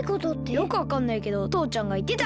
よくわかんないけどとうちゃんがいってた。